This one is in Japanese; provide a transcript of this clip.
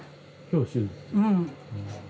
うん。